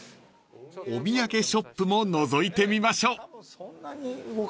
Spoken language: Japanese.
［お土産ショップものぞいてみましょう］